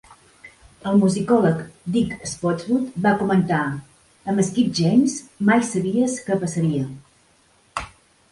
El musicòleg Dick Spottswood va comentar: Amb Skip James, mai sabies que passaria.